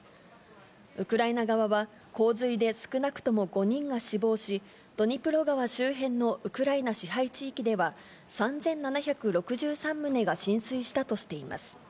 ウクライナ側は洪水で少なくとも５人が死亡し、ドニプロ川周辺のウクライナ支配地域では、３７６３棟が浸水したとしています。